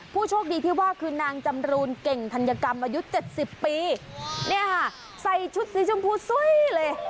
ผู้โชคดีที่ว่าคือนางจำรูนเก่งธัญกรรมอายุเจ็ดสิบปีเนี่ยค่ะใส่ชุดสีชมพูซุ้ยเลย